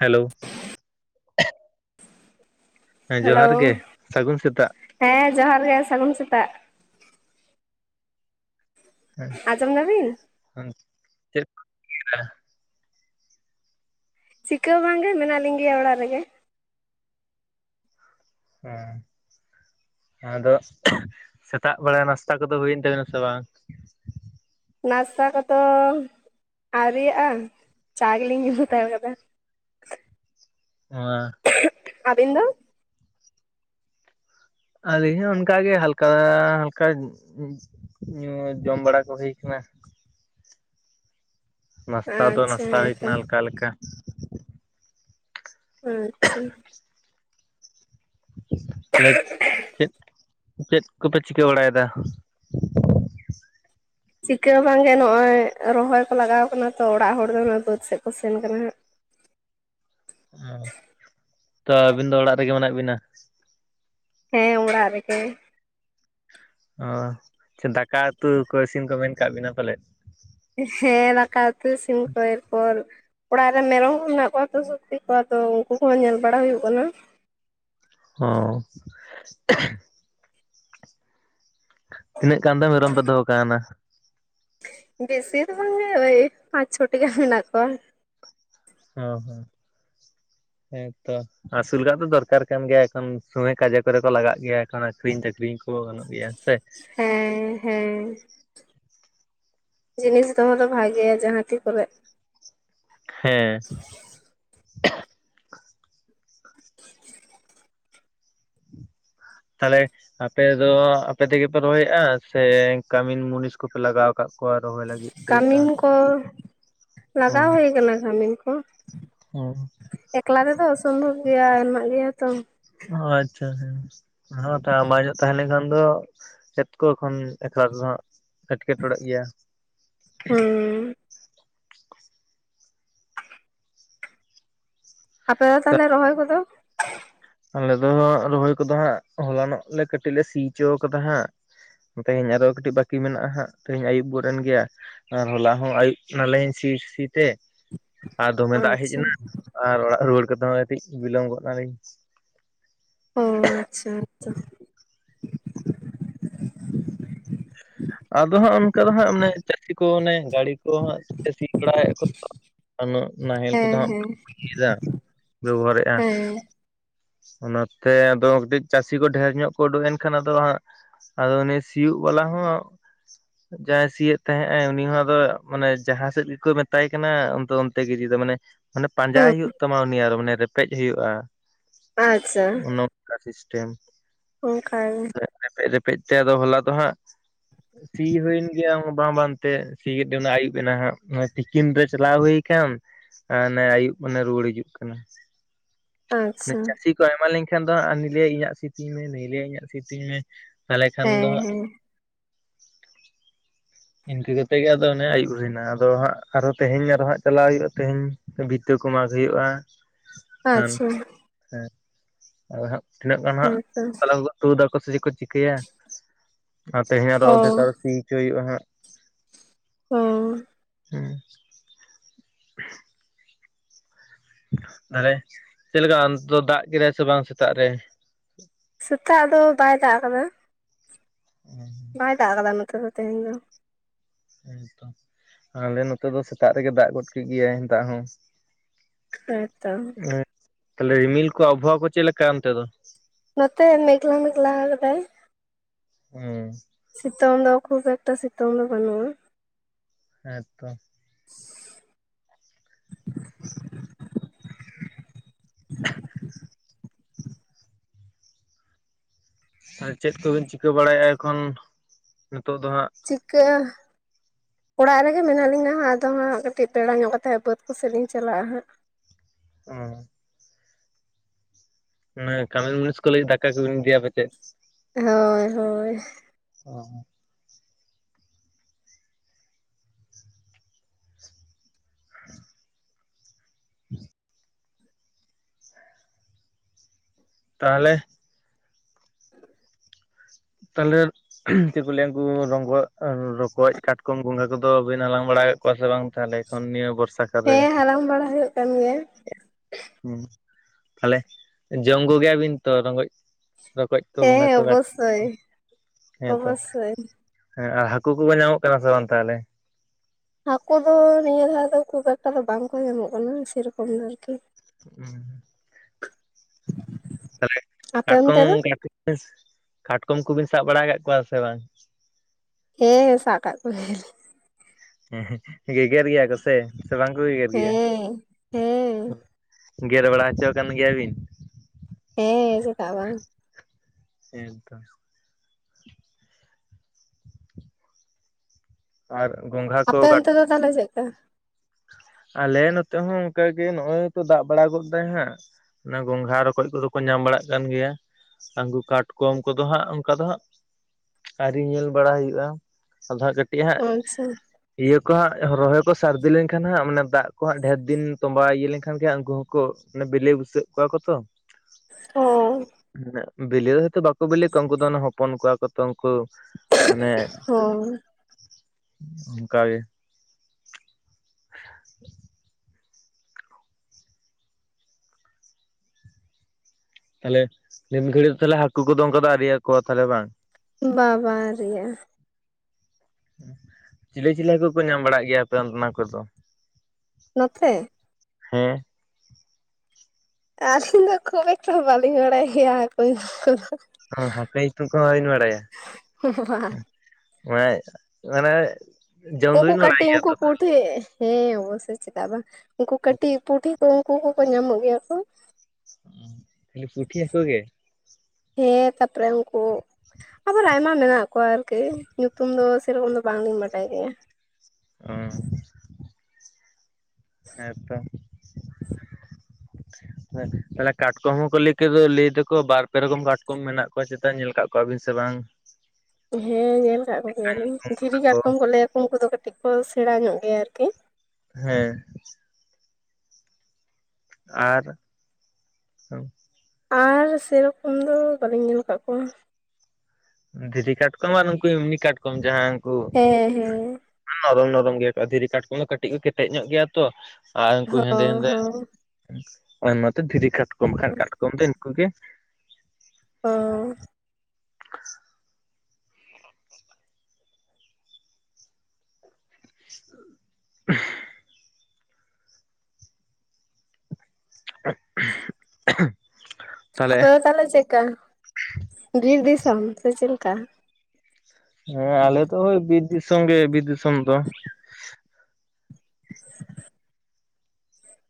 Hello. ᱦᱮᱸ ᱡᱚᱦᱟᱨ ᱜᱮ, ᱦᱮᱞᱳ ᱥᱟᱹᱜᱩᱱ ᱥᱮᱛᱟᱜ᱾ ᱦᱮᱸ ᱡᱚᱦᱟᱨ ᱜᱮ, ᱥᱟᱹᱜᱩᱱ ᱥᱮᱛᱟᱜ᱾ ᱟᱸᱡᱚᱢ ᱫᱟᱵᱤᱱ? ᱦᱮᱸ, ᱪᱮᱫ ᱠᱚᱢ ᱪᱤᱠᱟᱹᱭᱫᱟ? ᱪᱤᱠᱟᱹ ᱵᱟᱝ ᱜᱮ ᱢᱮᱱᱟᱜ ᱞᱤᱧ ᱜᱮᱭᱟ ᱚᱲᱟᱜ ᱨᱮ ᱜᱮ᱾ ᱦᱚᱸ, ᱟᱫᱚ ᱥᱮᱛᱟᱜ ᱵᱮᱲᱟ ᱱᱟᱥᱛᱟ ᱠᱚᱫᱚ ᱦᱩᱭᱮᱱ ᱛᱟᱵᱮᱱᱟ ᱥᱮ ᱵᱟᱝ? ᱱᱟᱥᱛᱟ ᱠᱚ ᱫᱚ ᱟᱣᱨᱤᱭᱟᱜᱼᱟ, ᱪᱟ ᱜᱮᱞᱤᱧ ᱧᱩᱸ ᱦᱟᱛᱟᱲ ᱟᱠᱟᱫᱟ᱾ ᱚᱸᱻ ᱟ᱾ ᱟᱵᱤᱱ ᱫᱚ? ᱟᱞᱤᱧ ᱦᱚᱸ ᱚᱱᱠᱟ ᱜᱮ, ᱦᱟᱞᱠᱟ ᱦᱟᱞᱠᱟ ᱧᱩ ᱡᱚᱢ ᱵᱟᱲᱟ ᱠᱚ ᱜᱮ ᱦᱩᱭ ᱠᱟᱱᱟ᱾ ᱱᱟᱥᱛᱟ ᱫᱚ ᱟᱪᱪᱷᱟ ᱱᱟᱥᱛᱟ ᱦᱩᱭ ᱦᱮᱸᱛᱚ ᱠᱟᱱᱟ ᱦᱟᱞᱠᱟ ᱦᱟᱞᱠᱟ᱾ [unintelligible] ᱛᱟᱦᱚᱞᱮ ᱪᱮᱫ, ᱪᱮᱫ ᱠᱚᱯᱮ ᱪᱤᱠᱟᱹ ᱵᱟᱲᱟᱭᱮᱫᱟ? ᱪᱤᱠᱟᱹ ᱵᱟᱝ ᱜᱮ ᱱᱚᱜᱼᱚᱭ ᱨᱚᱦᱚᱭ ᱠᱚ ᱞᱟᱜᱟᱣ ᱠᱟᱱᱟ ᱛᱚ ᱚᱲᱟᱜ ᱦᱚᱲ ᱫᱚᱠᱚ ᱵᱟᱹᱫᱽ ᱥᱮᱫ ᱠᱚ ᱥᱮᱱ ᱠᱟᱱᱟ ᱦᱟᱸᱜ᱾ ᱚᱸ, ᱛᱚ ᱟᱹᱵᱤᱱ ᱫᱚ ᱚᱲᱟᱜ ᱨᱮᱜᱮ ᱢᱮᱱᱟᱜ ᱵᱤᱱᱟ? ᱦᱮᱸ ᱚᱲᱟᱜ ᱨᱮ ᱜᱮ᱾ ᱚᱻ, ᱪᱮᱫ ᱫᱟᱠᱟ ᱩᱛᱩ ᱠᱚ ᱤᱥᱤᱱ ᱠᱚ ᱢᱮᱱ ᱠᱟᱜ ᱵᱤᱱᱟ ᱯᱟᱞᱮᱜ? ᱦᱮᱸ ᱫᱟᱠᱟ ᱩᱛᱩ ᱤᱥᱤᱱ ᱠᱚ ᱯᱚᱨ, ᱚᱲᱟᱜ ᱨᱮ ᱢᱮᱨᱚᱢ ᱦᱚᱸ ᱢᱮᱱᱟᱜ ᱠᱚᱣᱟ ᱛᱚ [unintelligible] ᱠᱚᱣᱟ ᱠᱚ ᱩᱱᱠᱩ ᱠᱚ ᱦᱚᱸ ᱧᱮᱞ ᱵᱟᱲᱟ ᱦᱩᱭᱩᱜ ᱠᱟᱱᱟ᱾ ᱦᱚᱸᱹ ᱛᱤᱱᱟᱹᱜ ᱜᱟᱱ ᱫᱚ ᱢᱮᱨᱚᱢ ᱯᱮ ᱫᱚᱦᱚ ᱠᱟᱣᱱᱟ? ᱵᱮᱥᱤ ᱫᱚ ᱵᱟᱝ ᱜᱮ ᱳᱭ ᱯᱟᱸᱪ, ᱪᱷᱚᱴᱤ ᱜᱟᱱ ᱢᱮᱱᱟᱜ ᱠᱚᱣᱟ᱾ ᱦᱚᱸ ᱦᱩᱸ, ᱦᱮᱸ ᱛᱚ᱾ ᱟᱹᱥᱩᱞ ᱠᱟᱜ ᱫᱚ ᱫᱚᱨᱠᱟᱨ ᱠᱟᱱ ᱜᱮᱭᱟ, ᱮᱠᱷᱚᱱ ᱥᱚᱸᱜᱮ ᱠᱟᱡᱮ ᱠᱚᱨᱮ ᱠᱚ ᱞᱟᱜᱟᱜ ᱜᱮᱭᱟ ᱮᱠᱷᱚᱱ ᱟᱠᱷᱤᱨᱤᱧ ᱴᱟᱠᱷᱤᱨᱤᱧ ᱠᱚ ᱜᱮᱭᱟ ᱥᱮ᱾ ᱦᱮᱸᱻ ᱦᱮᱸᱻ᱾ ᱡᱤᱱᱤᱥ ᱫᱚᱦᱚ ᱫᱚ ᱵᱷᱟᱜᱮᱭᱟ ᱡᱟᱦᱟᱸ ᱛᱤᱥ ᱠᱚᱨᱮ ᱦᱮᱸ᱾ [inaudible] ᱛᱟᱦᱞᱮ ᱟᱯᱮ ᱫᱚ ᱟᱯᱮ ᱛᱮᱜᱮ ᱯᱮ ᱨᱚᱦᱚᱭᱮᱜ-ᱟ ᱥᱮ ᱠᱟᱹᱟᱢᱤᱱ ᱢᱩᱱᱤᱥ ᱠᱚᱯᱮ ᱞᱟᱜᱟᱣ ᱟᱠᱟᱫ ᱠᱚᱣᱟ ᱨᱚᱦᱚᱭ ᱞᱟᱹᱜᱤᱫ ᱪᱮᱫ ᱞᱮᱠᱟ ᱠᱟᱹᱢᱤᱱ ᱠᱚ ᱦᱚᱸ ᱞᱟᱜᱟᱣ ᱦᱩᱭ ᱠᱟᱱᱟ ᱠᱟᱹᱢᱤᱱ ᱠᱚ᱾ ᱚ ᱮᱠᱞᱟ ᱛᱮᱫᱚ ᱚᱥᱚᱢᱵᱷᱚᱵ ᱜᱮᱭᱟ, ᱢᱮᱱᱟᱜ ᱜᱮᱭᱟ ᱛᱚ᱾ ᱚ, ᱟᱪᱪᱷᱟᱪ ᱦᱮᱸ᱾ ᱱᱚᱣᱟᱴᱟᱜ ᱵᱟᱭ ᱧᱚᱜ ᱛᱟᱦᱮᱸᱞᱮᱱᱠᱷᱟᱱ ᱫᱚ᱾ ᱪᱮᱫ ᱠᱚ ᱮᱠᱷᱚᱱ ᱮᱠᱞᱟ ᱠᱚᱫᱚ ᱦᱟᱸᱜ ᱮᱴᱠᱮᱴᱚᱬᱮᱜ ᱜᱮᱭᱟ᱾ ᱦᱩᱸ᱾ ᱟᱯᱮ ᱫᱚ ᱛᱟᱦᱞᱮ ᱨᱚᱦᱚᱭ ᱠᱚᱫᱚ? ᱟᱞᱮ ᱫᱚ ᱦᱟᱸᱜ ᱨᱚᱦᱚᱭ ᱠᱚᱫᱚ ᱦᱟᱸᱜ ᱦᱚᱞᱟᱱᱚᱜ ᱞᱮ ᱠᱟᱹᱴᱤᱡ ᱞᱮ ᱥᱤ ᱦᱚᱪᱚᱣ ᱠᱟᱫᱟ ᱦᱟᱸᱜ᱾ ᱛᱮᱦᱮᱧ ᱟᱨᱚ ᱠᱟᱹᱴᱤᱡ ᱵᱟᱹᱠᱤ ᱢᱮᱱᱟᱜ-ᱟ ᱦᱟᱸᱜ, ᱛᱮᱦᱮᱧ ᱟᱹᱭᱩᱵ ᱜᱚᱫ ᱮᱱ ᱜᱮᱭᱟ᱾ ᱟᱨ ᱦᱚᱞᱟ ᱦᱚᱸ ᱟᱹᱭᱩᱵ ᱱᱟᱞᱤᱧ ᱥᱤ ᱥᱤ ᱛᱮ᱾ ᱟᱨ ᱫᱚᱢᱮ ᱫᱟᱜ ᱦᱮᱡ ᱟᱪᱪᱷᱟ ᱮᱱᱟ ᱟᱨ ᱚᱲᱟᱜ ᱨᱩᱣᱟᱹᱲ ᱠᱟᱛᱮ ᱦᱚᱸ ᱠᱟᱹᱴᱤᱡ ᱵᱤᱞᱚᱢ ᱜᱚᱫ ᱱᱟᱞᱤᱧ᱾ ᱚ, ᱟᱪᱪᱷᱟ ᱟᱪᱪᱷᱟ᱾ ᱟᱫᱚ ᱦᱟᱸᱜ ᱚᱱᱠᱟ ᱫᱚ ᱦᱟᱸᱜ ᱚᱱᱮ ᱪᱟᱹᱥᱤ ᱠᱚ ᱚᱱᱮ ᱜᱟᱹᱲᱤ ᱠᱚ ᱦᱟᱸᱜ᱾ ᱥᱤ ᱵᱟᱲᱟᱭᱮᱫ ᱠᱚ ᱩᱱᱟᱹᱜ ᱱᱟᱦᱮᱞ ᱠᱚᱫᱚ ᱦᱮᱸ ᱦᱟᱸᱜ ᱦᱮᱸ ᱵᱟᱝ ᱠᱚ ᱧᱤᱨᱟ ᱵᱮᱵᱚᱦᱟᱨᱮᱜ-ᱟ᱾ ᱦᱮᱸ ᱚᱱᱟᱛᱮ ᱟᱫᱚ ᱠᱟᱹᱴᱤᱡ ᱪᱟᱹᱥᱤ ᱠᱚ ᱰᱷᱮᱨ ᱧᱚᱜ ᱠᱚ ᱩᱰᱩᱠ ᱮᱱᱠᱷᱟᱱ ᱟᱫᱚ ᱦᱟᱸᱜ᱾ ᱟᱫᱚ ᱩᱱᱤ ᱥᱤᱭᱳᱜ ᱵᱟᱞᱟ ᱦᱚᱸ, ᱡᱟᱦᱟᱸᱭ ᱥᱤᱭᱮᱫ ᱛᱟᱦᱮᱸᱜ ᱟᱭ ᱩᱱᱤ ᱦᱚᱸ ᱟᱫᱚ ᱢᱟᱱᱮ ᱡᱟᱦᱟᱸ ᱥᱮᱫ ᱜᱮᱠᱚ ᱢᱮᱛᱟᱭ ᱠᱟᱱᱟ ᱚᱱᱛᱮ ᱚᱱᱛᱮ ᱜᱮ ᱤᱫᱤ ᱫᱟᱭ ᱢᱟᱱᱮ᱾ ᱢᱟᱱᱮ ᱯᱟᱸᱡᱟᱭ ᱦᱩᱸ ᱦᱩᱭᱩᱜ ᱛᱟᱢᱟ ᱩᱱᱤ ᱟᱨ ᱢᱟᱱᱮ ᱨᱮᱯᱮᱡ ᱦᱩᱭᱩᱜ-ᱟᱺ ᱟᱪᱪᱷᱟ ᱩᱱ ᱚᱠ ᱚᱝᱠᱟ ᱥᱤᱥᱴᱮᱢ᱾ ᱚᱝᱠᱟ ᱜᱮ᱾ ᱨᱮᱯᱮᱡ ᱨᱮᱯᱮᱡ ᱛᱮ ᱟᱫᱚ ᱦᱚᱞᱟ ᱫᱚ ᱦᱟᱸᱜ᱾ ᱥᱤ ᱦᱩᱭᱮᱱ ᱜᱮᱭᱟ ᱵᱟᱝ ᱵᱟᱝᱛᱮ ᱥᱤ ᱠᱮᱫ ᱚᱱᱟ ᱟᱹᱭᱩᱵ ᱮᱱᱟ ᱦᱟᱸᱜ ᱛᱤᱠᱤᱱ ᱨᱮ ᱪᱟᱞᱟᱣ ᱦᱩᱭ ᱠᱟᱱ᱾ ᱟᱨ ᱚᱱᱮ ᱟᱹᱭᱩᱵ ᱢᱟᱱᱮ ᱨᱩᱣᱟᱹᱲ ᱦᱤᱡᱩᱜ ᱠᱟᱱᱟ᱾ ᱟᱪᱪᱷᱟ ᱪᱟᱹᱥᱤ ᱠᱚ ᱟᱭᱢᱟ ᱞᱮᱱᱠᱷᱟᱱ ᱫᱚ ᱞᱟᱹᱭ ᱤᱧᱟᱹᱜ ᱥᱤ ᱛᱤᱧ ᱢᱮ, ᱱᱩᱭᱮ ᱞᱟᱹᱭᱟ ᱤᱧᱟᱹᱜ ᱥᱤ ᱛᱤᱧ ᱢᱮ᱾ ᱛᱟᱞᱦᱮ ᱠᱷᱟᱱ ᱫᱚ ᱦᱮᱸ ᱦᱟᱸᱜ᱾ ᱦᱮᱸ ᱤᱝᱠᱟᱹ ᱠᱟᱛᱮᱜ ᱜᱮ ᱟᱫᱚ ᱚᱱᱮ ᱟᱹᱭᱩᱵ ᱦᱩᱭ ᱮᱱᱟ, ᱟᱫᱚ ᱦᱟᱸᱜ ᱟᱨᱚ ᱛᱮᱦᱤᱧ ᱟᱨᱚ ᱦᱟᱸᱜ ᱪᱟᱞᱟᱜ ᱦᱩᱭᱩᱜ-ᱟ ᱛᱮᱦᱮᱧ᱾ ᱵᱷᱤᱛᱟᱹ ᱠᱚ ᱢᱟᱜᱽ ᱦᱩᱭᱩᱜ-ᱟ᱾ ᱟᱪᱪᱷᱟ᱾ ᱦᱮᱸ ᱟᱫᱚ ᱦᱟᱸᱜ ᱛᱤᱱᱟᱹᱜ ᱜᱟᱱ ᱦᱟᱸᱜ ᱦᱮᱸᱛᱚ ᱛᱮ ᱠᱚ ᱛᱩ ᱫᱟᱠᱚ ᱥᱮ ᱪᱮᱫᱠᱚ ᱪᱤᱠᱟᱹᱭᱟ? ᱟᱨ ᱛᱮᱦᱮᱧ ᱫᱚᱚ ᱚ ᱚᱫᱷᱮᱠ ᱟᱨᱚ ᱥᱤ ᱦᱚᱪᱚᱭ ᱦᱩᱭᱩᱜ-ᱟ ᱦᱟᱸᱜ᱾ ᱚ, ᱦᱩᱸ, ᱟᱪᱪᱷᱟ᱾ ᱛᱟᱦᱞᱮ ᱪᱮᱜ ᱞᱮᱠᱟ ᱚᱱᱮ ᱛᱟᱷᱟᱫᱟᱜ ᱠᱮᱫᱟᱭ ᱥᱮ ᱵᱟᱝ ᱥᱮᱛᱟᱜ ᱨᱮ ᱥᱮᱛᱟᱜ ᱫᱚ ᱵᱟᱭ ᱫᱟᱜ ᱟᱠᱟᱫᱟ᱾ ᱦᱩᱸ ᱵᱟᱭ ᱫᱟᱜ ᱠᱟᱫᱟ ᱱᱚᱛᱮ ᱫᱚ ᱛᱮᱦᱮᱧ ᱫᱚ ᱦᱮᱸᱛᱚ ᱟᱞᱮ ᱱᱚᱛᱮ ᱫᱚ ᱥᱮᱛᱟᱜ ᱨᱮᱜᱮ ᱫᱟᱜ ᱜᱚᱫ ᱠᱮᱫ ᱜᱮᱭᱟᱭ ᱫᱟᱜ ᱦᱚᱸ᱾ ᱦᱮᱸ ᱛᱚᱸ ᱦᱤᱤᱞ ᱛᱟᱦᱚᱞᱮ ᱨᱤᱢᱤᱞ ᱠᱚ ᱟᱵᱚᱦᱟᱣᱟ ᱠᱚ ᱪᱮᱫ ᱞᱮᱠᱟ ᱚᱱᱛᱮ ᱫᱚ᱾ ᱱᱚᱛᱮ ᱢᱮᱜᱽᱞᱟ ᱢᱮᱜᱽᱞᱟ ᱟᱠᱟᱫᱟᱭ ᱦᱩᱸ᱾ ᱥᱤᱛᱩᱝ ᱫᱚ ᱠᱷᱩᱵ ᱮᱠᱴᱟ ᱥᱤᱛᱩᱝ ᱫᱚ ᱵᱟᱹᱱᱩᱜ-ᱟ᱾ ᱦᱮᱸᱛᱚ᱾ [inaudible] [inaudible] ᱟᱨ, ᱪᱮᱫ ᱠᱚᱵᱤᱱ ᱪᱤᱠᱟᱹ ᱵᱟᱲᱟᱭᱮᱫᱼᱟ ᱮᱠᱷᱚᱱ ᱱᱤᱛᱚᱜ ᱫᱚ ᱦᱟᱸᱜ ᱪᱤᱠᱟᱹ ᱟ? ᱚᱲᱟᱜ ᱨᱮᱜᱮ ᱢᱮᱱᱟᱜ ᱞᱤᱧᱟ ᱦᱟᱹᱜ ᱟᱫᱚ ᱦᱟᱸᱜ ᱠᱟᱹᱴᱤᱡ ᱵᱮᱲᱟ ᱧᱚᱜ ᱠᱟᱛᱮ ᱵᱟᱹᱫᱽ ᱠᱚ ᱥᱮᱫ ᱞᱤᱧ ᱪᱟᱞᱟᱜᱼᱟ ᱦᱟᱸᱜ᱾ ᱦᱚᱸ ᱦ ᱠᱟᱢ ᱢᱩᱱᱤᱥ ᱠᱚ ᱞᱟᱹᱜᱤᱫ ᱫᱟᱠᱟ ᱠᱚᱵᱤᱱ ᱤᱫᱤᱭᱟ ᱯᱟᱪᱮᱫ? ᱦᱳᱭ ᱦᱳᱭ᱾ ᱚ [inaudible] [inaudible] ᱛᱟᱦᱚᱞᱮ? ᱛᱟᱦᱚᱞᱮ? ᱪᱮᱫ ᱠᱚ ᱞᱟᱹᱭᱟ ᱩᱱᱠᱩ ᱨᱚᱜ ᱨᱚᱠᱚᱡ ᱠᱟᱴᱠᱚᱢ ᱜᱚᱸᱜᱟ ᱠᱚᱫᱚᱵᱤᱱ ᱦᱟᱞᱟᱝ ᱵᱟᱲᱟ? ᱚᱠᱟ ᱥᱮ ᱵᱟᱝ ᱛᱟᱦᱚᱞᱮ ᱮᱠᱷᱚᱱ ᱱᱤᱭᱟᱹ ᱵᱚᱨᱥᱟ ᱠᱟᱞ ᱨᱮ? ᱦᱞᱟᱢ ᱵᱟᱲᱟ ᱦᱩᱭᱩᱜᱼᱼ ᱠᱟᱹᱱ ᱜᱮᱭᱟ᱾ ᱦ ᱛᱟᱦᱚᱞᱮ ᱡᱚᱢ ᱠᱚᱜᱮᱭᱟᱵᱤᱱ ᱛᱚ ᱨᱚᱜᱪ ᱨᱚᱠᱚᱡᱼᱼ ᱦᱮᱸ ᱜᱚᱸᱜᱟ ᱠᱚ ᱚᱵᱚᱥᱥᱳᱭ [unintelligible] ᱦᱮᱸᱛᱚ᱾ ᱚᱵᱚᱥᱥᱳᱭ ᱦᱮᱸ ᱟᱨ ᱦᱟᱹᱠᱩ ᱠᱚᱠᱚ ᱧᱟᱢᱚᱜ ᱠᱟᱱᱟ ᱥᱮ ᱵᱟᱝ ᱛᱟᱦᱚᱞᱮ? ᱦᱟᱹᱠᱩ ᱫᱚ ᱱᱤᱭᱟᱹ ᱫᱷᱟᱣ ᱫᱚ ᱠᱷᱩᱵ ᱮᱠᱴᱟ ᱫᱚ ᱵᱟᱝᱠᱚ ᱧᱟᱢᱚᱜ ᱠᱟᱱᱟ ᱥᱮᱨᱚᱠᱚᱢ ᱫᱚ ᱟᱨᱠᱤ᱾ ᱦᱩᱸ᱾ ᱛᱟᱦᱮ ᱟᱯᱮ ᱠᱟᱴᱠᱚᱢ ᱚᱱᱛᱮ ᱫᱚ ᱛᱮ ᱠᱟᱴᱠᱚᱢ ᱠᱚᱵᱤᱱ ᱥᱟᱵ ᱵᱟᱲᱟ ᱟᱠᱟᱜ ᱠᱚᱣᱟ ᱥᱮ ᱵᱟᱝ? ᱦᱮᱸ ᱥᱟᱵ ᱠᱟᱜ ᱠᱚᱜᱮᱭᱟᱞᱤᱧ᱾ ᱦᱮᱸ ᱜᱮᱜᱮᱨ ᱜᱮᱭᱟ ᱠᱚᱥᱮ ᱥᱮ ᱵᱟᱝ ᱠᱚ ᱜᱮᱜᱮᱨ ᱜᱮᱭᱟ? ᱦᱮᱸ ᱦᱮᱸ ᱜᱮᱨ ᱵᱟᱲᱟ ᱦᱚᱪᱚ ᱠᱟᱱ ᱜᱮᱭᱟᱵᱤᱱ? ᱦᱮᱸ ᱪᱮᱫᱟᱜᱽ ᱵᱟᱝ᱾ ᱦᱮᱛᱚ᱾ ᱟᱨ ᱜᱚᱝᱜᱷᱟᱼᱼ ᱟᱯᱮ ᱚᱱᱛᱮ ᱫᱚ ᱛᱟᱦᱚᱞᱮ ᱪᱮᱫ ᱞᱮᱠᱟ? ᱟᱞᱮ ᱱᱚᱛᱮ ᱦᱚᱸ ᱚᱱᱠᱟᱜᱮ ᱱᱚᱜᱼᱚᱭ ᱛᱚ ᱫᱟᱜ ᱵᱟᱲᱟ ᱜᱚᱫ ᱫᱟᱭ ᱦᱟᱸᱜ᱾ ᱚᱱᱟ ᱜᱚᱝᱜᱷᱟ ᱨᱚᱠᱚᱡ ᱠᱚᱫᱚ ᱠᱚ ᱧᱟᱢ ᱵᱟᱲᱟᱜ ᱠᱟᱱ ᱜᱮᱭᱟ᱾ ᱟᱝᱜᱩ ᱠᱟᱴᱠᱚᱢ ᱠᱚᱫᱚ ᱦᱟᱸᱜ ᱚᱱᱠᱟ ᱫᱚ ᱦᱟᱸᱜᱼᱼ ᱟᱹᱣᱨᱤ ᱧᱮᱞ ᱵᱟᱲᱟ ᱦᱩᱭᱩᱜᱼᱟ ᱟᱫᱷᱟ ᱠᱟᱹᱴᱤᱡᱼᱼ ᱠᱟᱹᱴᱤᱡ ᱦᱟᱸᱜ ᱟᱪᱪᱷᱟ ᱤᱭᱟᱹ ᱠᱚ ᱦᱟᱸᱜ ᱨᱚᱦᱚᱭ ᱠᱚ ᱥᱟᱨᱫᱤ ᱞᱮᱱᱠᱷᱟᱱ ᱦᱟᱸᱜ ᱢᱟᱱᱮ, ᱫᱟᱜ ᱠᱚ ᱦᱟᱸᱜ ᱰᱷᱮᱨ ᱫᱤᱱ ᱛᱚᱸᱵᱟ ᱤᱭᱟᱹ ᱞᱮᱱᱠᱷᱟᱱ ᱜᱮ ᱦᱟᱜᱽ ᱩᱱᱠᱩ ᱦᱚᱸᱠᱚ ᱵᱤᱞᱤ ᱵᱩᱥᱟᱹᱜ ᱠᱚᱣᱟ ᱠᱚ ᱛᱚ᱾ ᱚ ᱵᱤᱞᱤ ᱫᱚ ᱦᱚᱭᱛᱚ ᱵᱟᱠᱚ ᱵᱤᱞᱤ ᱠᱚ ᱩᱱᱠᱩ ᱫᱚ ᱦᱚᱯᱚᱱ ᱠᱚᱣᱟ ᱠᱚᱼᱼ ᱛ ᱩᱱᱠᱩ ᱢᱟᱱᱮ ᱦᱚᱸ ᱚᱱᱠᱟᱜ ᱜᱮ᱾ ᱛᱟᱦᱚᱞᱮ ᱱᱤᱢ ᱜᱷᱟᱹᱲᱤᱡ ᱫᱚ ᱛᱟᱦᱞᱮ ᱦᱟᱹᱠᱩ ᱠᱚᱫᱚ ᱚᱝᱠᱟ ᱫᱚ ᱟᱨᱮ ᱟᱠᱚᱣᱟ ᱛᱟᱦᱚᱞᱮ ᱵᱟᱝ? ᱵᱟᱵᱟ ᱨᱮᱭᱟ᱾ ᱪᱤᱞᱤ ᱪᱤᱞᱤ ᱦᱟᱹᱠᱩ ᱠᱚ ᱧᱟᱢ ᱵᱟᱲᱟᱜ ᱜᱮᱭᱟ ᱟᱯᱮ ᱚᱱᱟ ᱠᱚᱨᱮ ᱫᱚ? ᱱᱚᱛᱮ? ᱦᱮᱸᱼᱼ ᱟᱞᱤᱧ ᱫᱚ ᱠᱷᱩᱵ ᱮᱠᱴᱚᱢ ᱵᱟᱞᱤᱧ ᱵᱟᱰᱟᱭ ᱜᱮᱭᱟ ᱦᱟᱠᱩ ᱧᱩᱛᱩᱢ ᱠᱚ᱾ ᱦᱟᱹᱠᱩ ᱧᱩᱛᱩᱢ ᱠᱚ ᱵᱟᱵᱤᱱ ᱵᱟᱲᱟᱭᱟ? ᱵᱟᱝ ᱚᱱᱮ ᱚᱱᱮ ᱡᱚᱢ ᱫᱚ ᱩᱱᱠᱩ ᱵᱤᱱ ᱵᱟᱲᱟᱭ ᱠᱟᱹᱴᱤᱡ ᱜᱮᱭᱟ ᱩᱱᱠᱩ ᱛᱚ ᱛᱟᱦᱟᱞᱮ? ᱯᱩᱴᱷᱤ ᱦᱮᱸ ᱚᱵᱚᱥᱥᱳᱭ ᱪᱮᱫᱟᱜ ᱵᱟᱝ ᱩᱱᱠᱩ ᱠᱟᱹᱴᱤᱡ ᱯᱩᱴᱷᱤ ᱠᱚ ᱩᱱᱠᱩ ᱠᱚᱠᱚ ᱧᱟᱢᱚᱜ ᱜᱮᱭᱟ ᱠᱚ᱾ ᱠᱷᱟᱞᱤ ᱯᱩᱴᱤ ᱦᱟᱠᱚ ᱜᱮ᱾ ᱦᱮᱸ ᱛᱟᱯᱚ ᱨᱮ ᱩᱱᱠᱩ ᱟᱵᱟᱨ ᱟᱭᱢᱟ ᱢᱮᱱᱟᱜ ᱠᱚᱣᱟ ᱟᱨ ᱠᱤ ᱧᱩᱛᱩᱢ ᱫᱚᱼᱼ ᱥᱮ ᱨᱚᱠᱚᱢ ᱫᱚ ᱵᱟᱝ ᱞᱤᱧ ᱵᱟᱰᱟᱭ ᱜᱮᱭᱟ᱾ ᱚ ᱦᱮᱸ ᱛᱚ᱾ ᱦᱮᱸ ᱛᱟᱦᱚᱞᱮ ᱠᱟᱴᱠᱚᱢ ᱦᱚᱸ ᱠᱚ ᱞᱟᱹᱭ ᱠᱮᱫ ᱞᱟᱹᱭ ᱫᱟᱠᱚ ᱵᱟᱨ ᱯᱮ ᱨᱚᱠᱚᱢ ᱠᱟᱴᱠᱚᱢ ᱢᱮᱱᱟᱜ ᱠᱚᱣᱟ ᱪᱮᱛᱟᱱ ᱧᱮᱞ ᱠᱟᱜ ᱠᱚᱣᱟᱵᱤᱱ ᱥᱮ ᱵᱟᱝ? [unintelligible] ᱦᱮᱸ ᱧᱮᱞ ᱟᱠᱟᱫ ᱠᱚ ᱜᱮᱭᱟᱞᱤᱧ ᱫᱷᱤᱨᱤ ᱠᱟᱴᱠᱚᱢ ᱠᱚ ᱞᱟᱹᱭ ᱟᱠᱚ ᱩᱱᱠᱩ ᱫᱚ ᱠᱟᱹᱴᱤᱡ ᱠᱚ ᱥᱮᱬᱟ ᱧᱚᱜ ᱜᱮᱭᱟ ᱟᱨᱠᱤ ᱦᱮᱸ ᱟᱨ [inaudible] ᱦᱚ ᱟᱨ ᱥᱮ ᱨᱚᱠᱚᱢ ᱫᱚ ᱵᱟᱞᱤᱧ ᱧᱮᱞ ᱟᱠᱟᱫ ᱠᱚᱣᱟ ᱫᱷᱤᱨᱤ ᱠᱟᱴᱠᱚᱢ ᱟᱨ ᱩᱱᱠᱩ ᱮᱢᱱᱤ ᱠᱟᱴᱠᱚᱢ ᱡᱟᱦᱟᱸ ᱩᱱᱠᱩ ᱦᱮᱸ ᱦᱮᱸ ᱱᱚᱨᱚᱢ ᱱᱚᱨᱚᱢ ᱜᱮᱭᱟ. ᱠᱚ ᱫᱷᱤᱨᱤ ᱠᱟᱴᱠᱚᱢ ᱫᱚ ᱠᱟᱹᱴᱤᱡ ᱠᱚ ᱠᱮᱴᱮᱡ ᱧᱚᱜ ᱜᱮᱭᱟ ᱛᱚ ᱟᱨ ᱩᱱᱠᱩ ᱦᱮᱸᱫᱮ ᱦᱚᱸ ᱦᱮᱸᱫᱮ ᱦᱚᱸ ᱚᱱᱟ ᱛᱮ ᱫᱷᱤᱨᱤ ᱠᱟᱴᱠᱚᱢ ᱟᱠᱷᱟᱡ ᱠᱟᱴᱠᱚᱢ ᱫᱚ ᱱᱤᱱᱠᱩ ᱜᱮ ᱚᱻ [unintelligible] [unintelligible] [unintelligible] ᱟᱯᱮ ᱫᱚ ᱛᱟᱦᱚᱞᱮ ᱪᱮᱫ ᱠᱟ ᱵᱤᱨ ᱫᱤᱥᱚᱢ ᱥᱮ ᱪᱮᱫ ᱞᱮᱠᱟ? ᱦᱮᱸ ᱟᱞᱮ ᱫᱚ ᱵᱤᱨ ᱫᱤᱥᱚᱢ ᱜᱮ ᱵᱤᱨ ᱫᱤᱥᱚᱢ ᱫᱚ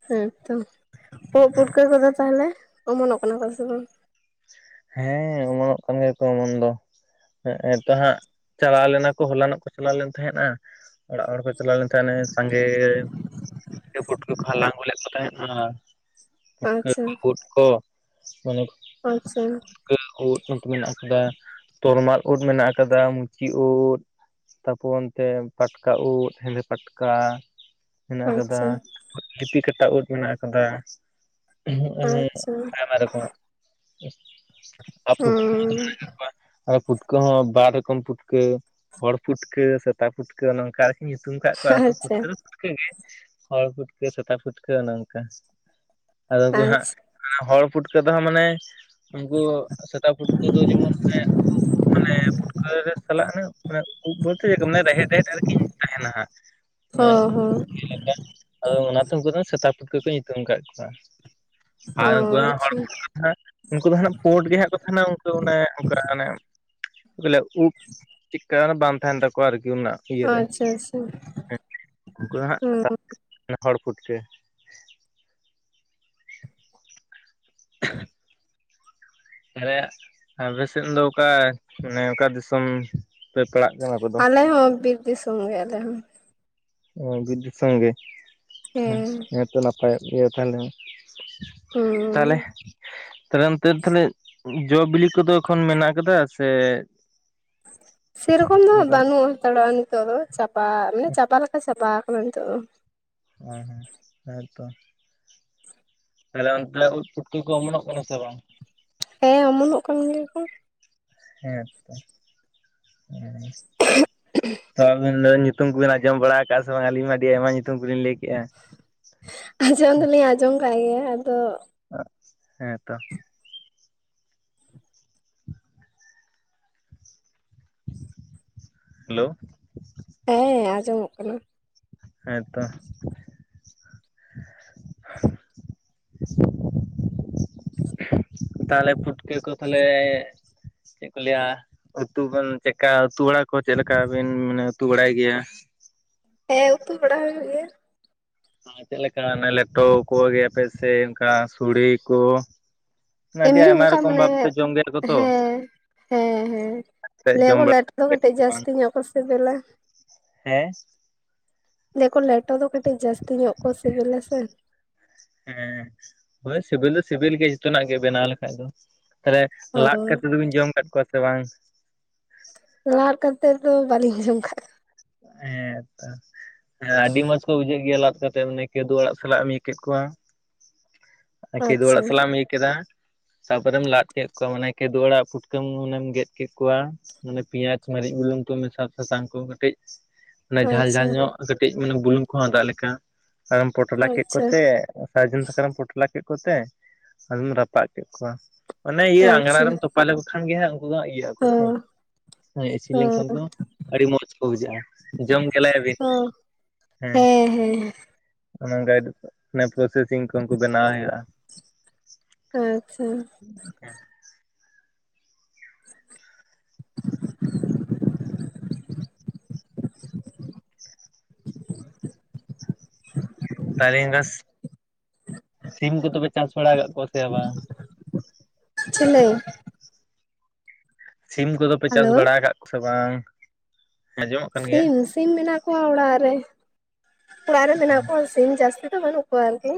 ᱦᱮᱸ ᱛᱚ, ᱩᱫ ᱯᱩᱴᱠᱟᱹ ᱠᱚᱫᱚ ᱛᱟᱦᱚᱞᱮ ᱚᱢᱚᱱᱚᱜ ᱠᱟᱱᱟ ᱠᱚ ᱥᱮ ᱵᱟᱝ? ᱦᱮᱸ ᱚᱢᱚᱱᱚᱜ ᱠᱟᱱ ᱜᱮᱭᱟ ᱠᱚ ᱚᱢᱚᱱ ᱫᱚ ᱦᱮᱸ ᱛᱚ ᱦᱟᱸᱜ ᱪᱟᱞᱟᱣ ᱞᱮᱱᱟ ᱠᱚ ᱦᱚᱞᱟᱱᱚᱜ ᱠᱚ ᱪᱟᱞᱟᱣ ᱞᱮᱱ ᱛᱟᱦᱮᱸᱫ-ᱟᱸ ᱚᱲᱟᱜ ᱦᱚᱲ ᱠᱚ ᱪᱟᱞᱟᱣ ᱞᱮᱱ ᱛᱟᱦᱮᱸᱱᱟ ᱥᱟᱸᱜᱮ ᱤᱭᱟ. ᱯᱩᱴᱠᱟᱹ ᱠᱚ ᱦᱟᱞᱟᱝ ᱞᱮᱫ ᱠᱚ ᱛᱟᱦᱮᱸᱱᱟ ᱯᱩᱴᱠᱟᱹ ᱟᱪᱪᱷᱟ ᱠᱚ ᱩᱫ ᱠᱚ ᱢᱟᱱᱮ ᱟᱪᱪᱷᱟ ᱯᱩᱰᱠᱟᱹ ᱩᱫ ᱱᱚᱛᱮ ᱢᱮᱱᱟᱜ ᱟᱠᱟᱫᱟ ᱛᱚᱨᱢᱟᱞ ᱩᱫ ᱢᱮᱱᱟᱜ ᱟᱠᱟᱫᱟ ᱢᱩᱪᱤ ᱩᱫ ᱛᱟᱯᱚᱨ ᱚᱱᱛᱮ ᱯᱟᱴᱠᱟ ᱩᱫ ᱦᱮᱸᱫᱮ ᱯᱟᱴᱠᱟ ᱦᱮᱱᱟᱜ ᱟᱠᱟᱫᱟ ᱟᱪᱪᱷᱟ ᱞᱤᱯᱤ ᱠᱟᱴᱟ ᱩᱫ ᱢᱮᱱᱟᱜ ᱟᱠᱟᱫᱟ ᱟᱪᱪᱷᱟ [unintelligible] ᱟᱭᱢᱟ ᱨᱚᱠᱚᱢᱟᱜ [unintelligible] ᱟᱨ ᱯᱩᱴᱠᱟᱹᱠᱚ ᱦᱩᱸ ᱢᱮᱱᱟᱜ ᱟᱠᱟᱫ ᱠᱚᱣᱟ ᱟᱨ ᱯᱩᱴᱠᱟᱹ ᱦᱚᱸ ᱵᱟᱨ ᱨᱚᱠᱚᱢ ᱯᱩᱴᱠᱟᱹ ᱦᱚᱲ ᱯᱩᱴᱠᱟᱹ ᱥᱮᱛᱟ ᱯᱩᱴᱠᱟᱹ ᱱᱚᱝᱠᱟ ᱧᱩᱛᱩᱢ ᱠᱟᱜ ᱠᱚᱣᱟ ᱠᱚ ᱟᱪᱪᱷᱟ ᱯᱩᱴᱠᱟᱹ ᱯᱩᱴᱠᱟᱹ ᱜᱮ ᱦᱚᱲ ᱯᱩᱴᱠᱟᱹ ᱥᱮᱛᱟ ᱯᱷᱩᱴᱠᱟᱹ ᱚᱱᱮ ᱚᱱᱠᱟ, ᱟᱫᱚ ᱠᱚ ᱦᱟᱸᱜ ᱟᱪᱪᱷᱟ ᱦᱚᱲ ᱯᱩᱴᱠᱟᱹ ᱫᱚ ᱦᱟᱜ ᱢᱟᱱᱮ ᱩᱱᱠᱩ ᱥᱮᱛᱟ ᱯᱩᱴᱠᱟᱹ ᱫᱚ ᱡᱮᱢᱚᱱ [unintelligible] ᱢᱟᱱᱮ ᱯᱷᱩᱴᱠᱟᱹ ᱨᱮ ᱥᱟᱞᱟᱜ ᱮᱱᱟ ᱢᱟᱱᱮ ᱩᱵ ᱵᱚᱞᱛᱮ ᱢᱟᱱᱮ ᱨᱮᱦᱮᱫ ᱨᱮᱦᱮᱫ ᱟᱨ ᱠᱤ ᱛᱟᱦᱮᱱᱟ ᱦᱟᱸᱜ ᱱᱮ ᱦᱚ ᱦᱚ [unintelligible] ᱞᱮᱠᱟ ᱚ ᱚᱱᱟ ᱛᱮ ᱩᱱᱠᱩ ᱫᱚ ᱥᱮᱛᱟ ᱯᱩᱴᱠᱟᱹ ᱠᱚ ᱧᱩᱛᱩᱢ ᱟᱠᱟᱫ ᱠᱚᱣᱟ ᱟᱨ ᱚ ᱩᱱᱠᱩᱣᱟᱜ ᱦᱚᱲ ᱟᱪᱪᱷᱟ ᱯᱩᱴᱠᱟᱹ. [unintelligible] ᱩᱱᱠᱩ ᱫᱚ ᱦᱟᱸᱜ ᱯᱚᱸᱰ ᱜᱮ ᱦᱟᱸᱜ ᱠᱚ ᱛᱟᱦᱮᱱᱟ ᱩᱱᱠᱩ ᱚᱱᱮ ᱚᱱᱠᱟ ᱚᱱᱮ ᱵᱚᱞᱮ ᱩᱵ ᱪᱤᱠᱟ. ᱬ ᱵᱟᱝ ᱛᱟᱦᱮᱱ ᱛᱟᱠᱚᱣᱟ ᱟᱨ ᱠᱤ ᱚᱱᱟ ᱤᱭᱟᱹ ᱨᱮ ᱟᱪᱪᱷᱟ ᱟᱪᱪᱷᱟ [unintelligible] ᱩᱱᱠᱩ ᱫᱚ ᱦᱟᱸᱜ ᱥᱮᱛᱟ ᱦᱩᱸ ᱯᱩᱴᱠᱟᱹ ᱦᱚᱲ ᱯᱩᱴᱠᱟᱹ. [unintelligible] ᱟᱞᱮᱭᱟᱜ ᱟᱯᱮ ᱥᱮᱫ ᱫᱚ ᱚᱠᱟ ᱢᱟᱱᱮ ᱚᱠᱟ ᱫᱤᱥᱚᱢ ᱯᱮ ᱯᱟᱲᱟᱜ ᱠᱟᱱᱟ ᱟᱯᱮ ᱫᱚ? ᱟᱞᱮ ᱦᱚᱸ ᱵᱤᱨ ᱫᱤᱥᱚᱢ ᱜᱮ ᱟᱞᱮ ᱦᱚᱸ ᱚ ᱵᱤᱨ ᱫᱤᱥᱚᱢ ᱜᱮ ᱦᱮᱸ ᱛᱚ ᱱᱟᱯᱟᱭᱚᱜ ᱜᱮᱭᱟ ᱛᱟᱦᱚᱞᱮ ᱢᱟ ᱦᱩᱸ ᱛᱟᱦᱟᱞᱮ ᱛᱟᱦᱟᱞᱮ ᱚᱱᱛᱮ ᱫᱟᱜ ᱛᱤᱱᱟ. ᱜ ᱡᱚ ᱵᱤᱞᱤ ᱠᱚᱫᱚ ᱮᱠᱷᱚᱱ ᱢᱮᱱᱟᱜ ᱟᱠᱟᱫᱟ ᱥᱮ ᱥᱮ ᱨᱚᱠᱚᱢ ᱫᱚ ᱦᱟᱸᱜ ᱚᱱᱠᱟᱱ ᱵᱟᱹᱱᱩᱜ ᱦᱟᱛᱟᱲᱚᱜᱼᱟ ᱱᱤᱛᱳᱜ ᱫᱚ ᱪᱟᱵᱟ ᱢᱟᱱᱮ ᱪᱟᱵᱟ ᱞᱮᱠᱟ ᱪᱟᱵᱟ ᱟᱠᱟᱱᱟ ᱱᱤᱛᱚᱜ ᱫᱚ ᱦᱮᱸ-ᱦᱮᱸ, ᱦᱮᱸᱛᱚ ᱛᱟᱦᱞᱮ ᱚᱱᱛᱮ ᱩᱫ ᱯᱩᱴᱠᱟᱹ ᱠᱚ ᱚᱢᱚᱱᱚᱜ ᱠᱚᱱᱟ ᱥᱮ ᱵᱟᱝ ᱦᱮᱸ ᱚᱢᱚᱱᱚᱜ ᱠᱟᱱ ᱜᱮᱭᱟ ᱠᱚ ᱦᱮᱸᱛᱚ [unintelligible] ᱛᱚ ᱟᱵᱤᱱ ᱫᱚ ᱧᱩᱛ... ᱛᱩᱢ ᱠᱚ ᱵᱤᱱ ᱟᱸᱡᱚᱢ ᱵᱟᱲᱟ ᱟᱠᱟᱜ-ᱟ ᱥᱮ ᱵᱟᱝ ᱟᱹᱞᱤᱧ ᱢᱟ ᱟᱹᱰᱤ ᱟᱭᱢᱟ ᱧᱩᱛᱩᱢ ᱠᱚᱞᱤᱧ ᱞᱟᱹᱭ ᱠᱮᱜᱼᱟ ᱟᱸᱡᱚᱢ ᱫᱚᱞᱤᱧ ᱟᱸᱡᱚᱢ ᱟᱠᱟᱜ ᱜᱮᱭᱟ ᱟᱫᱚ ᱦᱮᱸ ᱛᱚ, [inaudible] ᱦᱮᱞᱳ! ᱦᱮᱸ ᱟᱸᱡᱚᱢᱚᱜ ᱠᱟᱱᱟ᱾ ᱦᱮᱸ ᱛᱚ, ᱛᱟᱦᱮᱞᱮ ᱯᱩᱴᱠᱟᱹ ᱠᱚ ᱛᱟᱦᱮᱞᱮ ᱪᱮᱫ ᱠᱚ ᱞᱟᱹᱭᱟ ᱩᱛᱩ ᱵᱚᱱ ᱪᱮᱠᱟ ᱩᱛᱩ ᱵᱟᱲᱟ ᱠᱚᱣᱟ ᱪᱮᱫ ᱞᱮᱠᱟ ᱵᱤᱱ ᱢᱟᱱᱮ ᱩᱛᱩ ᱵᱟᱲᱟᱭ ᱜᱮᱭᱟ? ᱦᱮᱸ ᱩᱛᱩ ᱵᱟᱲᱟ ᱦᱩᱭᱩᱜ ᱜᱮᱭᱟ᱾ ᱛᱟᱦᱮᱞᱮ‌ ᱪᱮᱫ ᱞᱮᱠᱟ ᱚᱱᱮ ᱞᱮᱴᱚ ᱠᱚ ᱤᱭᱟᱹ ᱯᱮ ᱥᱮ ᱚᱱᱠᱟ ᱥᱩᱲᱮ ᱠᱚ? ᱟᱹᱰᱤ ᱮᱢᱱᱤ ᱟᱭᱢᱟ ᱚᱱᱠᱟ ᱨᱚᱠᱚᱢ ᱢᱟᱱᱮ ᱵᱷᱟᱵᱛᱮ ᱡᱚᱢ ᱜᱮᱭᱟ ᱠᱚ ᱛᱚ ᱦᱮᱸᱻᱦᱮᱸ ᱦᱮᱸ, ᱥᱮ ᱡᱚᱢ ᱞᱟᱹᱭᱟᱠᱚ ᱞᱮᱴᱚ ᱫᱚ ᱵᱟᱲᱟ ᱠᱟᱹᱴᱤᱡ ᱵᱟᱝ ᱡᱟᱹᱥᱛᱤ ᱧᱚᱜ ᱠᱚ ᱥᱮᱵᱤᱞᱟ᱾ ᱦᱮᱸ? ᱞᱟᱹᱭᱟ ᱠᱚ ᱞᱮᱴᱚ ᱫᱚ ᱠᱟᱹᱴᱤᱡ ᱡᱟᱹᱥᱛᱤ ᱧᱚᱜ ᱠᱚ ᱥᱤᱵᱮᱞᱟ ᱥᱮ᱾ ᱦᱮᱸ, ᱦᱳᱭ ᱥᱮᱵᱮᱞ ᱫᱚ ᱥᱤᱵᱤᱞ ᱜᱮᱭᱟ ᱡᱷᱚᱛᱚᱱᱟᱜ ᱜᱮ ᱵᱮᱱᱟᱣ ᱞᱮᱠᱷᱟᱡ ᱫᱚ᱾ ᱛᱟᱦᱮᱞᱮ ᱚ ᱞᱟᱫ ᱠᱟᱛᱮ ᱫᱚᱵᱤᱱ ᱡᱚᱢ ᱟᱠᱟᱫ ᱠᱚᱣᱟ ᱥᱮ ᱵᱟᱝ? ᱞᱟᱫ ᱠᱟᱛᱮ ᱫᱚ ᱵᱟᱹᱞᱤᱧ ᱡᱚᱢ ᱠᱟᱜ ᱠᱚ- ᱦᱮᱸᱛᱚ ᱦᱮᱸ ᱟᱹᱰᱤ ᱢᱚᱸᱡᱽ ᱠᱚ ᱵᱩᱡᱷᱟᱹᱜ ᱜᱮᱭᱟ ᱞᱟᱫ ᱠᱟᱛ- ᱛᱮ ᱮᱢᱱᱤ ᱠᱤ ᱫᱩ ᱟᱲᱟᱜ ᱥᱟᱞᱟᱜ ᱮᱢ ᱤᱭᱟᱹ ᱠᱮᱫ ᱠᱚᱣᱟ, ᱟ ᱠᱤᱫᱩ ᱟᱪᱪᱷᱟ ᱟᱲᱟᱜ ᱥᱟᱞᱟᱜ ᱮᱢ ᱤᱭᱟᱹ ᱠᱮᱫᱟ, ᱥᱟᱵ ᱠᱟᱛᱮᱢ ᱞᱟᱫ ᱠᱮᱫ ᱠᱚᱣᱟ, ᱢᱟᱱᱮ ᱠᱤᱫᱩ ᱟᱲᱟᱜ ᱯᱩᱴᱠᱟᱹᱢ ᱢᱩᱸ ᱦᱩᱱᱟᱹᱝ ᱮᱢ ᱜᱮᱫ ᱠᱮᱫ ᱠᱚᱣᱟ᱾ ᱢᱟᱱᱮ ᱯᱤᱭᱟᱪ ᱢᱟᱹᱨᱤᱪ ᱵᱩᱞᱩᱝ ᱠᱚ ᱢᱮᱥᱟ ᱥᱟᱥᱟᱝ ᱠᱚ ᱠᱟᱹᱴᱤᱡ, ᱳᱱᱮ ᱡᱷᱟᱞ ᱡᱷᱟᱞ ᱟᱪᱪᱷᱟ ᱧᱚᱜ ᱠᱟᱹᱴᱤᱡ ᱢᱟᱱᱮ ᱵᱩᱞᱩᱝ ᱠᱚᱦᱚᱸ ᱟᱫᱟᱜ ᱞᱮᱠᱟ, ᱟᱨᱮᱢ ᱯᱚᱴᱚᱲᱟ ᱠᱮᱫ ᱟᱪᱪᱷᱟ ᱠᱚᱛᱮ ᱥᱟᱨᱡᱚᱱ ᱥᱟᱠᱟᱢ ᱨᱮᱢ ᱯᱚᱴᱞᱟ ᱠᱮᱫ ᱠᱚᱛᱮ, ᱟᱫᱚᱢ ᱨᱟᱯᱟᱜ ᱠᱮᱫ ᱠᱚᱣᱟ, ᱚᱱᱮ ᱤᱭᱟᱹ ᱟᱸᱜᱽᱨᱟ ᱟᱪᱪᱷᱟ ᱨᱮᱢ ᱛᱚᱯ- ᱯᱟ ᱞᱮᱠᱚ ᱠᱷᱟᱱ ᱜᱮ ᱦᱟᱸᱜ ᱩᱸᱠᱩ ᱫᱚ ᱤᱭᱟᱹ ᱠᱚ ᱚ ᱪᱮ, ᱦᱮᱸ ᱤᱥᱤᱱ ᱚ ᱞᱮᱱᱠᱷᱟᱱ ᱠᱚ ᱟᱹᱰᱤ ᱢᱚᱡᱽ ᱠᱚ ᱵᱩᱡᱷᱟᱹᱜᱼᱟ, ᱡᱚᱢ ᱜᱮᱞᱟᱭ ᱵᱤᱱ? ᱚ ᱦᱮᱸ ᱚᱱᱮ ᱚᱱᱠᱟ ᱜᱮ ᱤᱫᱩᱜ ᱠᱚᱜ ᱚᱱᱟ ᱯᱚᱨᱚᱥᱮᱥᱤᱝ ᱠᱚ ᱩᱱᱠᱩ ᱵᱮᱱᱟᱣ ᱦᱩᱭᱩᱜᱼᱟ᱾ ᱟᱪᱻᱪᱷᱟ, [unintelligible] ᱚᱸᱠᱟ᱾ [inaudible] [inaudible] ᱠᱟᱹᱨᱤᱱ ᱫᱟᱥ, ᱥᱤᱢ ᱠᱚᱫᱚ ᱯᱮ ᱪᱟᱥ ᱵᱟᱲᱟ ᱟᱠᱟᱜ‌ ᱠᱚᱣᱟ ᱥᱮᱭᱟ ᱵᱟᱝ? ᱪᱤᱞᱤ? ᱥᱤᱢ ᱠᱚᱫᱚ ᱯᱮ ᱪᱟᱥ ᱦᱮᱞᱳ ᱵᱟᱲᱟ ᱟᱠᱟᱫ ᱠᱚᱣᱟ ᱥᱮ ᱵᱟᱝ? ᱟᱸᱡᱚᱢᱚᱜ ᱠᱟᱱ ᱜᱮᱭᱟ ᱥᱤᱢ, ᱥᱤᱢ ᱢᱮᱱᱟᱜ ᱠᱚᱣᱟ ᱚᱲᱟᱜ ᱨᱮ᱾ ᱚᱲᱟᱜ ᱨᱮ ᱢᱮᱱᱟᱜ ᱠᱚᱣᱟ ᱥᱤᱢ ᱡᱟᱥᱛᱤ ᱫᱚ ᱵᱟᱹᱱᱩᱜ ᱠᱚᱣᱟ ᱮᱱᱛᱮ